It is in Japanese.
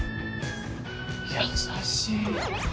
優しい。